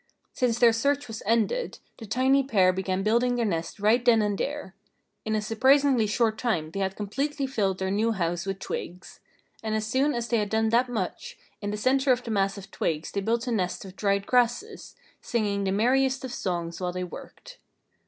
Since their search was ended, the tiny pair began building their nest right then and there. In a surprisingly short time they had completely filled their new house with twigs. And as soon as they had done that much, in the center of the mass of twigs they built a nest of dried grasses, singing the merriest of songs while they worked.